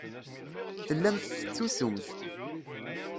Tellamt tettusumt.